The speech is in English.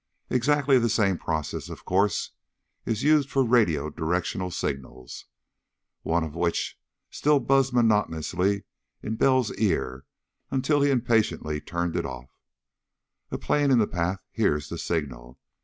Exactly the same process, of course, is used for radio directional signals, one of which still buzzed monotonously in Bell's ears until he impatiently turned it off. A plane in the path hears the signal.